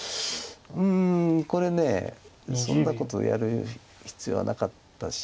うんこれそんなことやる必要はなかったし。